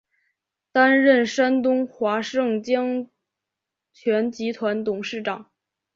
担任山东华盛江泉集团董事长。